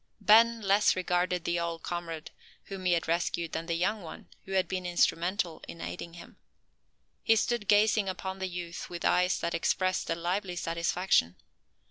Ben less regarded the old comrade whom he had rescued than the young one who had been instrumental in aiding him. He stood gazing upon the youth with eyes that expressed a lively satisfaction.